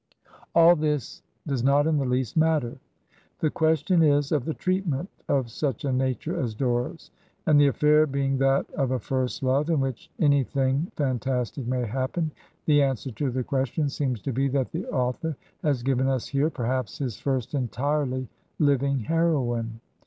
All this does not in the least matter. The question is of the treatment of such a nature as Dora's, and the affair being that of a first love, in which anj^hing fan tastic may happen, the answer to the question seems to be that the author has given us here perhaps his first entirely Uving heroine.